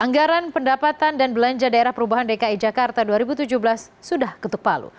anggaran pendapatan dan belanja daerah perubahan dki jakarta dua ribu tujuh belas sudah ketuk palu